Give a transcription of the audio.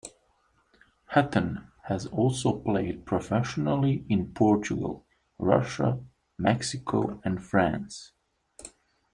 Hatton has also played professionally in Portugal, Russia, Mexico and France.